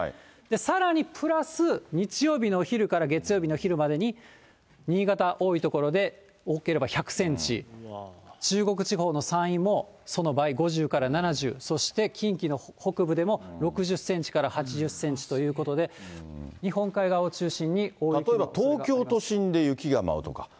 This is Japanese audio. さらにプラス日曜日のお昼から月曜日のお昼までに、新潟、多い所で、多ければ１００センチ、中国地方の山陰もその倍、５０から７０、そして近畿の北部でも６０センチから８０センチということで、日本海側を中心に大雪の可能性があります。